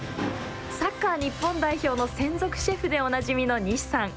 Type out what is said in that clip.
サッカー日本代表の専属シェフでおなじみの西さん。